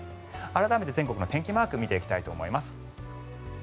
改めて全国の天気マーク見ていきたいと思います。